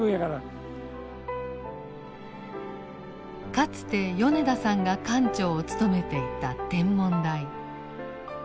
かつて米田さんが館長を務めていた天文台。